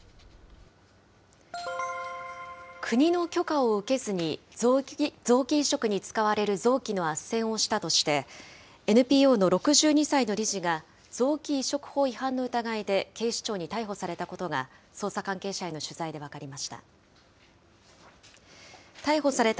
国の許可を受けずに臓器移植に使われる臓器のあっせんをしたとして、ＮＰＯの６２歳の理事が臓器移植法違反の疑いで警視庁に逮捕されたことが、捜査関係者への取材で分かりました。